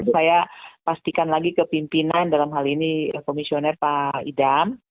saya pastikan lagi ke pimpinan dalam hal ini komisioner pak idam